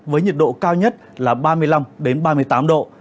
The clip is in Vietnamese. với nhiệt độ cao nhất là ba mươi năm ba mươi tám độ